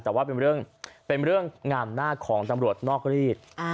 แต่ว่าเป็นเรื่องงามหน้าของตำรวจนอกรีด